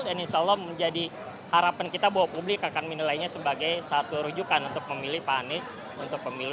dan insya allah harapan kita bahwa publik akan menilainya sebagai satu rujukan untuk memilih pak anies untuk pemilu dua ribu dua puluh